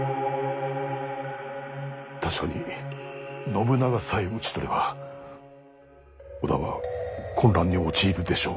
確かに信長さえ討ち取れば織田は混乱に陥るでしょうが。